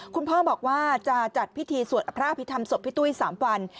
คุณพ่อบอกว่าจะจัดพิธีสวดพระอภิษฐรรศพพี่ตุ้ย๓วัน